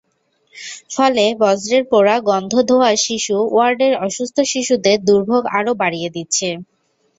ফলে বর্জ্যের পোড়া গন্ধ-ধোঁয়া শিশু ওয়ার্ডের অসুস্থ শিশুদের দুর্ভোগ আরও বাড়িয়ে দিচ্ছে।